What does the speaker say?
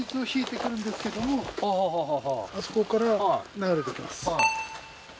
あそこから流れてきます。